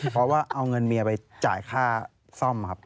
เพราะว่าเอาเงินเมียไปจ่ายค่าซ่อมครับ